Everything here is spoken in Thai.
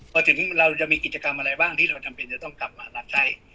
พอถึงเราจะมีกิจกรรมอะไรบ้างที่เราจำเป็นจะต้องกลับมารับใช้